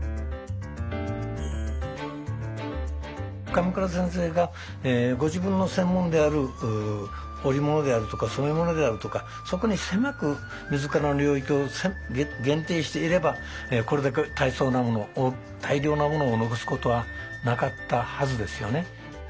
鎌倉先生がご自分の専門である織物であるとか染物であるとかそこに狭く自らの領域を限定していればこれだけ大層なものを大量なものを残すことはなかったはずですよね。